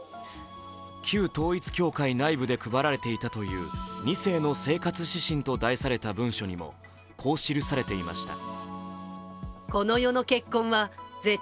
旧統一教会内部で配られていたという二世の生活指針と題された文書にもこう記されていました。